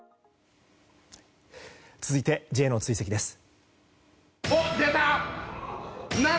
続いて、Ｊの追跡です。